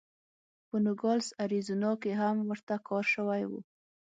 په نوګالس اریزونا کې هم ورته کار شوی و.